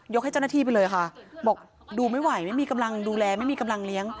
ให้เจ้าหน้าที่ไปเลยค่ะบอกดูไม่ไหวไม่มีกำลังดูแลไม่มีกำลังเลี้ยง